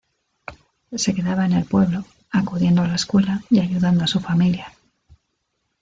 Se quedaba en el pueblo, acudiendo a la escuela y ayudando a su familia.